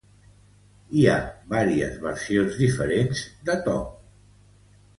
Hi ha vàries versions diferents de Top.